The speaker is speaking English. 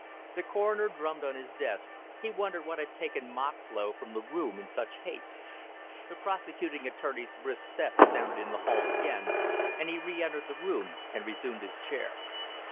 The coroner drummed on his desk; he wondered what had taken Moxlow from the room in such haste. The prosecuting attorney's brisk step sounded in the hall again, and he reëntered the room and resumed his chair.